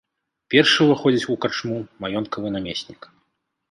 Першы ўваходзіць у карчму маёнткавы намеснік.